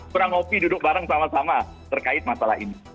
kurang ngopi duduk bareng sama sama terkait masalah ini